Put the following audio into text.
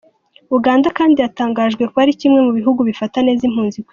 Uganda kandi yatangajwe kuba ari kimwe mu bihugu bifata neza impunzi ku isi.